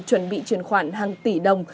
chuẩn bị truyền khoản hàng tỷ đồng